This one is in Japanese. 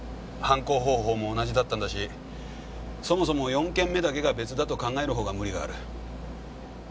犯行方法も同じだったんだしそもそも４件目だけが別だと考える方が無理がある。